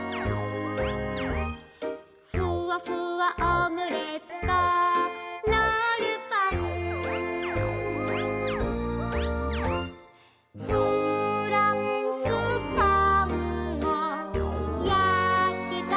「ふわふわオムレツとロールパン」「フランスパンも焼きたてだ」